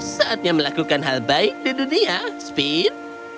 saatnya melakukan hal baik di dunia speed